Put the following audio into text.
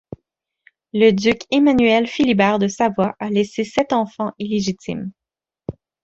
Le duc Emmanuel-Philibert de Savoie a laissé sept enfants illégitimes.